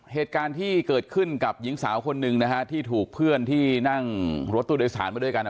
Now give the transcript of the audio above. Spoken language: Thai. เหตุการณ์ที่เกิดขึ้นกับหญิงสาวคนหนึ่งนะฮะที่ถูกเพื่อนที่นั่งรถตู้โดยสารมาด้วยกัน